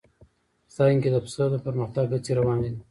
افغانستان کې د پسه د پرمختګ هڅې روانې دي.